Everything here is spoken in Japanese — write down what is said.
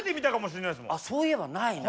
そういえばないな。